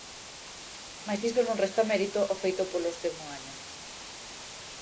Mais iso non resta mérito ao feito polos de Moaña.